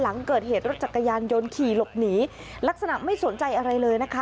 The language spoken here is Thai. หลังเกิดเหตุรถจักรยานยนต์ขี่หลบหนีลักษณะไม่สนใจอะไรเลยนะคะ